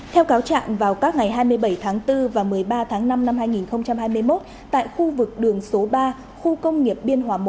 theo cáo trạng vào các ngày hai mươi bảy tháng bốn và một mươi ba tháng năm năm hai nghìn hai mươi một tại khu vực đường số ba khu công nghiệp biên hòa một